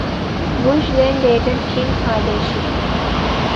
Bush then dated Kim Kardashian.